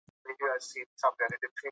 پییر د فراماسون په ډله کې شامل شو.